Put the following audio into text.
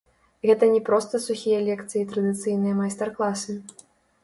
Гэта не проста сухія лекцыі і традыцыйныя майстар-класы.